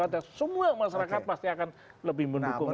ada semua masyarakat pasti akan lebih mendukung